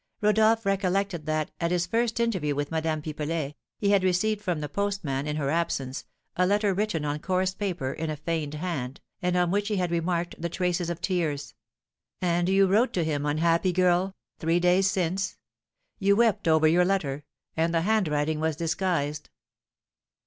Rodolph recollected that, at his first interview with Madame Pipelet, he had received from the postman, in her absence, a letter written on coarse paper, in a feigned hand, and on which he had remarked the traces of tears. "And you wrote to him, unhappy girl, three days since? You wept over your letter; and the handwriting was disguised."